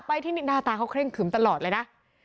ที่นี่หน้าตาเขาเคร่งขึมตลอดเลยนะ